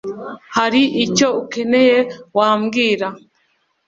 hari icyo ukeneye wambwira